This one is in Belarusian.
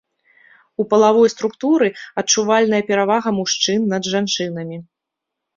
У палавой структуры адчувальная перавага мужчын над жанчынамі.